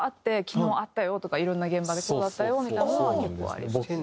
「昨日会ったよ」とか「いろんな現場でこうだったよ」みたいなのは結構ありました。